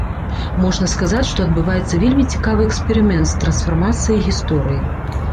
Можна сказаць, што адбываецца вельмі цікавы эксперымент з трансфармацыяй гісторыі.